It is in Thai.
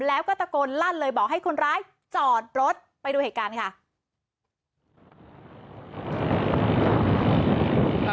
แล้วก็ตะโกนลั่นเลยบอกให้คนร้ายจอดรถไปดูเหตุการณ์ค่ะ